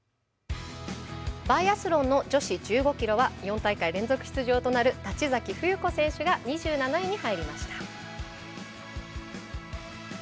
バイアスロンの女子１５ｋｍは４大会連続出場となる立崎芙由子選手が２７位に入りました。